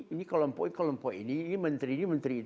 ini kelompok ini kelompok ini menteri ini menteri